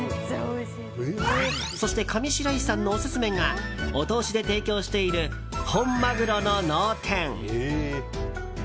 そして、上白石さんのオススメがお通しで提供している本マグロの脳天。